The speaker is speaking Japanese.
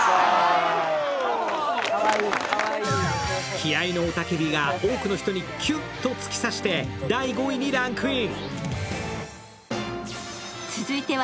気合いの雄たけびが多くの人にキュンと突き刺して第５位にランクイン。